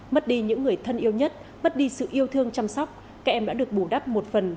mất đi những người thân yêu nhất mất đi sự yêu thương chăm sóc các em đã được bù đắp một phần